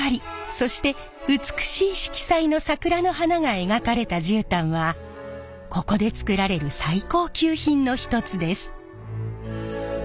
そして美しい色彩の桜の花が描かれた絨毯はここで作られる最高級品の一つです。